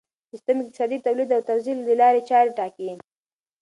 سیستم اقتصادي د تولید او توزیع د لارې چارې ټاکي.